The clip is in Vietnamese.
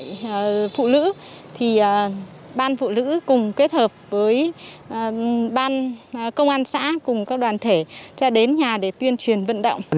ban chấp hành phụ nữ thì ban phụ nữ cùng kết hợp với ban công an xã cùng các đoàn thể ra đến nhà để tuyên truyền vận động